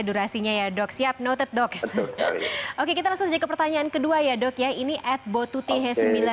durasinya ya dok siap noted dok oke kita langsung ke pertanyaan kedua ya dok ya ini at botutih sembilan puluh dua